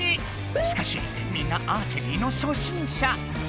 しかしみんなアーチェリーの初心者。